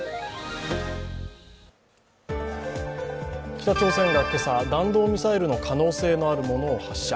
北朝鮮が今朝、弾道ミサイルの可能性のあるものを発射。